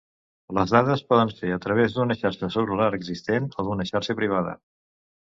Les dades poden ser a través d'una xarxa cel·lular existent o d'una xarxa privada.